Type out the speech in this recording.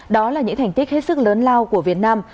đó là những thành tích hết sức lớn lao của việt nam